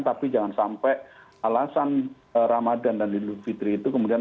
tapi jangan sampai alasan ramadan dan idul fitri itu kemudian